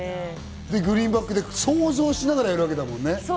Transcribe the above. グリーンバックで想像しながらやるわけだもんね。